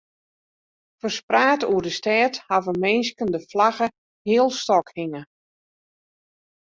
Ferspraat oer de stêd hawwe minsken de flagge healstôk hinge.